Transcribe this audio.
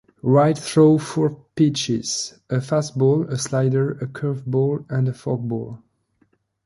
White throws four pitches: a fastball, a slider, a curveball, and a forkball.